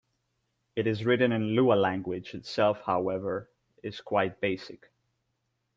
It is written in Lua Language itself however is quite basic.